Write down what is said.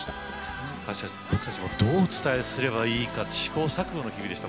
確かに僕たちはどうお伝えすればいいか試行錯誤の日々でした